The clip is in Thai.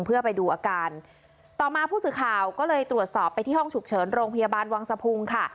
เพื่อไปดูอาการต่อมาผู้สื่อข่าวก็เลยตรวจสอบไปที่ห้องฉุกเฉินโรงพยาบาลวังสะพุงค่ะ